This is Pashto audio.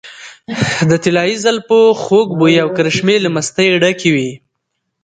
د طلايي زلفو خوږ بوي او کرشمې له مستۍ ډکې وې .